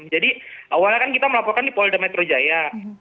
awalnya kan kita melaporkan di polda metro jaya